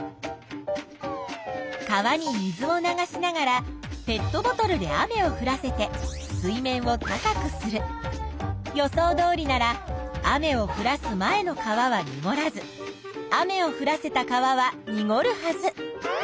川に水を流しながらペットボトルで雨をふらせて水面を高くする。予想どおりなら雨をふらす前の川はにごらず雨をふらせた川はにごるはず。